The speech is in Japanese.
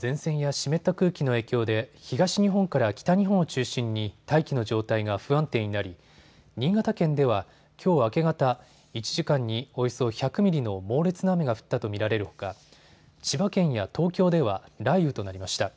前線や湿った空気の影響で東日本から北日本を中心に大気の状態が不安定になり新潟県では、きょう明け方１時間におよそ１００ミリの猛烈な雨が降ったと見られるほか千葉県や東京では雷雨となりました。